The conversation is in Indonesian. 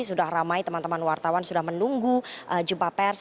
sudah ramai teman teman wartawan sudah menunggu jumpa pers